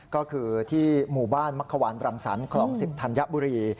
ก็คือที่หมู่บ้านมักขวานรังสรรคคลอง๑๐ธัญบุรี